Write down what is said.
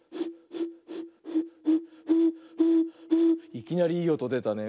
いきなりいいおとでたね。